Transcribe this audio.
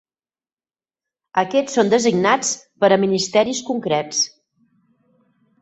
Aquests són designats per a ministeris concrets.